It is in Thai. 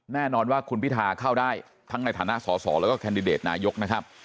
แน่นอนว่าคุณพิทาเข้าได้ทั้งในฐานะสอสอแล้วก็แคนดิเดตนายกนะครับ